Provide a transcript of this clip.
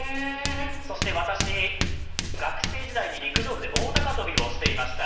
そして、私、学生時代に陸上部で棒高跳びをしていました。